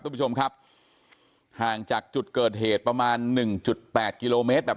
ทุกผู้ชมครับห่างจากจุดเกิดเหตุประมาณ๑๘กิโลเมตรแบบ